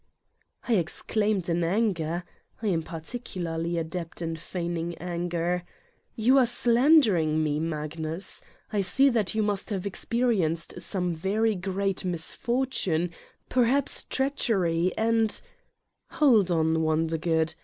I exclaimed in anger (I am particularly adept in feigning anger) : "You are slandering me, Magnus! I see that you must have experienced some very great mis fortune, perhaps treachery and " "Hold on, Wondergood!